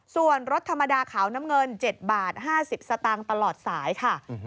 ส่วนรถธรรมดาขาวน้ำเงิน๗บาท๕๐สตางค์ตลอดสายค่ะ